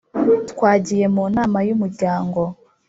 Twagiye mu nama yumuryango.